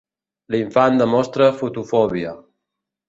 L'infant demostra fotofòbia.